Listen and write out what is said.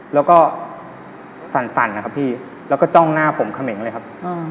แล้วก็สั่นนะครับพี่แล้วก็จ้องหน้าผมเขมงเลยครับ